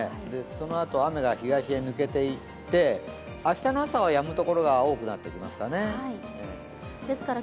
そのあと雨が東に抜けていって明日はやむところが多いですかね。